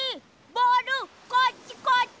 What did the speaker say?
ボールこっちこっち！